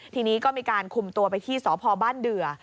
ทีนี้ก็มีการคุมตัวไปที่สพบ้านเดือ